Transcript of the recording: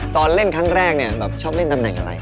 ตอนเล่นครั้งแรกเนี่ยแบบชอบเล่นตำแหน่งอะไร